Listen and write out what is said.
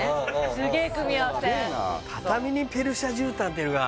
すげえ組み合わせ畳にペルシャ絨毯っていうのが